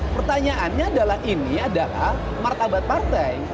pertanyaannya adalah ini adalah martabat partai